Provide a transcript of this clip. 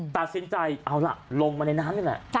ตัดสินใจเอาล่ะลงมาในน้ำนี่แหละ